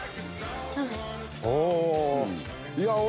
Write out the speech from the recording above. お！